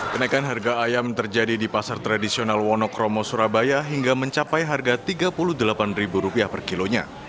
kenaikan harga ayam terjadi di pasar tradisional wonokromo surabaya hingga mencapai harga rp tiga puluh delapan per kilonya